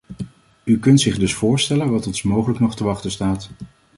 U kunt zich dus voorstellen wat ons mogelijk nog te wachten staat.